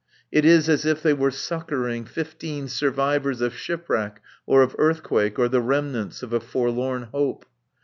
It is as if they were succouring fifteen survivors of shipwreck or of earthquake, or the remnants of a forlorn hope.